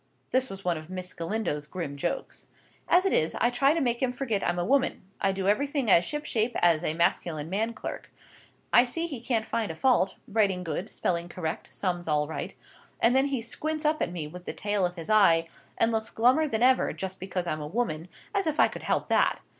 This was one of Miss Galindo's grim jokes. "As it is, I try to make him forget I'm a woman, I do everything as ship shape as a masculine man clerk. I see he can't find a fault—writing good, spelling correct, sums all right. And then he squints up at me with the tail of his eye, and looks glummer than ever, just because I'm a woman—as if I could help that.